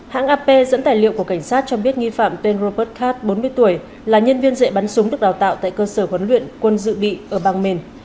hãng ap dẫn tài liệu của cảnh sát cho biết nghi phạm tên robert kat bốn mươi tuổi là nhân viên dễ bắn súng được đào tạo tại cơ sở huấn luyện quân dự bị ở bang maine